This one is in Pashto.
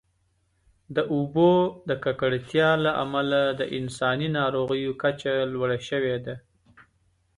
د اوبو د ککړتیا له امله د انساني ناروغیو کچه لوړه شوې ده.